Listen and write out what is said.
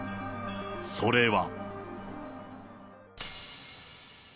それは。